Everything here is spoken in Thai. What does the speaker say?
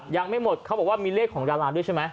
ยังไม่หมดเขาบอกว่ามีเลขของดาราด้วยใช่ไหม